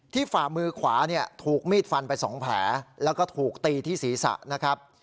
ฝ่ามือขวาเนี่ยถูกมีดฟันไป๒แผลแล้วก็ถูกตีที่ศีรษะนะครับ